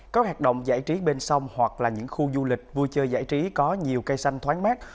các hoạt động giải trí bên sông hoặc là những khu du lịch vui chơi giải trí có nhiều cây xanh thoáng mát